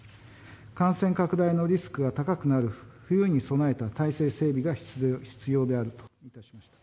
感染拡大のリスクが高くなる冬に備えた体制整備が必要であると。